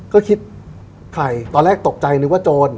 ก็คิดใครตอนแรกตกใจนึกว่าโจร